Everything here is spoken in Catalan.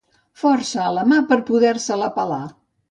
Força a la mà per poder-se-la pelar.